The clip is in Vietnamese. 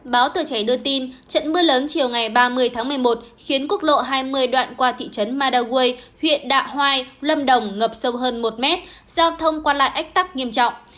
báo tờ trẻ đưa tin trận mưa lớn chiều ngày ba mươi tháng một mươi một khiến quốc lộ hai mươi đoạn qua thị trấn madaway huyện đạ hoai lâm đồng ngập sâu hơn một mét giao thông qua lại ách tắc nghiêm trọng